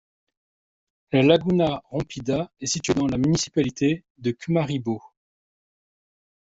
La laguna Rompida est située dans la municipalité de Cumaribo.